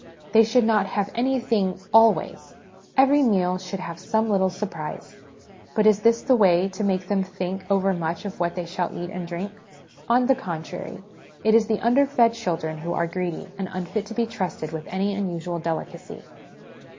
They should not have anything ' always '; every meal should have some little surprise. But is this the way, to make them think overmuch of what they shall eat and drink ? On the contrary, it is the underfed children who are greedy, and unfit to be trusted with any unusual delicacy.